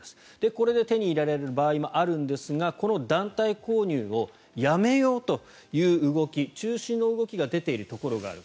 これで手に入る場合もあるんですがこの団体購入をやめようという動き中止の動きが出ているところがある。